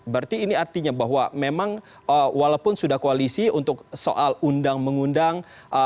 berarti ini artinya bahwa memang walaupun sudah koalisi untuk soal undang mengundang